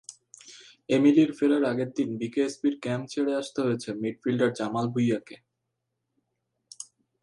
এমিলির ফেরার আগের দিন বিকেএসপির ক্যাম্প ছেড়ে আসতে হয়েছে মিডফিল্ডার জামাল ভূঁইয়াকে।